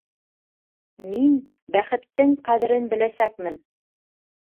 Мин бәхеттен ҡәҙерен беләсәкмен!